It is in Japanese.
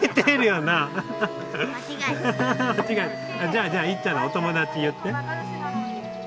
じゃあじゃあいっちゃんのお友達言って？